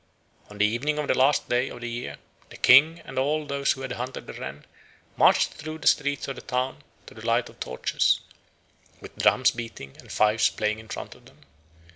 On the evening of the last day of the year the King and all who had hunted the wren marched through the streets of the town to the light of torches, with drums beating and fifes playing in front of them.